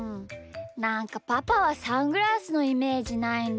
なんかパパはサングラスのイメージないんだよなあ。